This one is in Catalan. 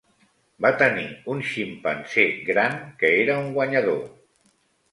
Va tenir un ximpanzé gran que era un guanyador.